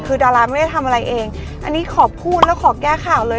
คือดาราไม่ได้ทำอะไรเองอันนี้ขอพูดแล้วขอแก้ข่าวเลย